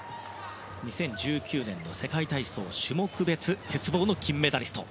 ２０１９年の世界体操種目別、鉄棒の金メダリスト。